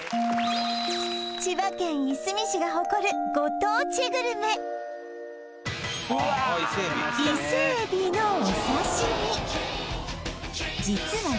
千葉県いすみ市が誇るご当地グルメイセエビのお刺身